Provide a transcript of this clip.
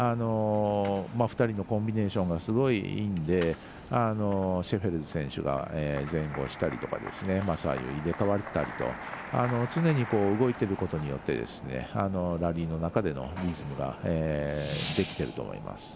２人のコンビネーションがすごいいいのでシェフェルス選手が前後したり左右入れ代わったりと常に動いてることによってラリーの中でのリズムができていると思います。